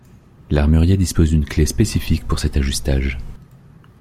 L'armurier dispose d'une clé spécifique pour cet ajustage.